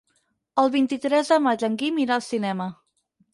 El vint-i-tres de maig en Guim irà al cinema.